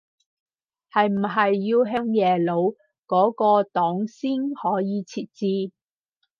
係唔係要向耶魯嗰個檔先可以設置